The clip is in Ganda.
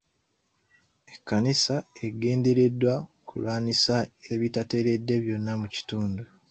Ekkanisa egendereddwa kulwanyisa ebitateredde byonna mu kitundu.